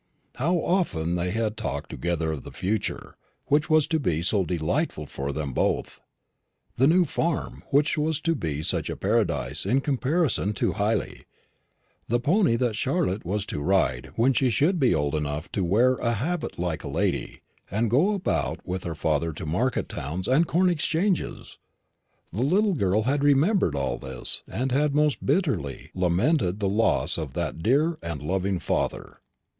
How often they had talked together of the future, which was to be so delightful for them both; the new farm, which was to be such a paradise in comparison to Hyley; the pony that Charlotte was to ride when she should be old enough to wear a habit like a lady, and to go about with her father to market towns and corn exchanges! The little girl had remembered all this, and had most bitterly lamented the loss of that dear and loving father.